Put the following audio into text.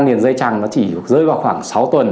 miền dây chẳng nó chỉ rơi vào khoảng sáu tuần